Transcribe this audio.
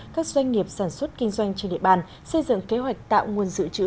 các doanh nghiệp sản xuất kinh doanh trên địa bàn xây dựng kế hoạch tạo nguồn dự trữ